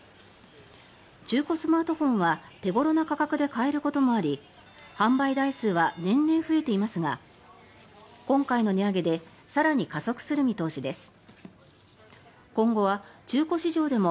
中古スマートフォンは手頃な価格で買えることもあり販売台数は年々増えていますが今回の値上げで更に加速する見通しです。